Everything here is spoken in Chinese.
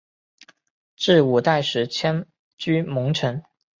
至五代时迁居蒙城。